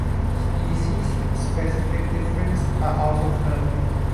Species-specific differences are also found.